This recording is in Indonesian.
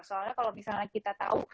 karena kalau misalnya kita tahu